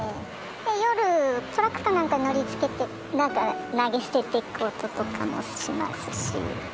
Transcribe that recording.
夜トラックかなんか乗り付けてなんか投げ捨てていく音とかもしますし。